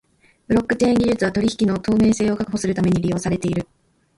ブロックチェーン技術は取引の透明性を確保するために利用されている。